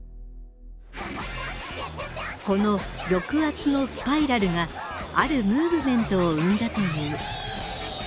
この「抑圧のスパイラル」があるムーブメントを生んだという。